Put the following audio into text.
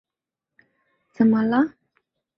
怎么了？